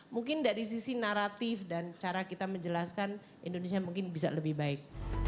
mungkin dari sisi naratif dan cara kita menjelaskan indonesia mungkin bisa lebih baik